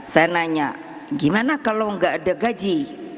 saya nanya gimana kalau nggak ada gaji